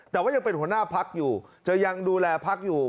แต่ว่ายังเป็นหัวหน้าพักอยู่จะยังดูแลพักอยู่